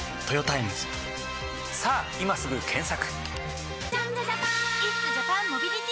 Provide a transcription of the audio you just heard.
さぁ今すぐ検索！